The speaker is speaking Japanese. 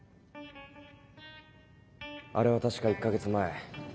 あれは確か１か月前。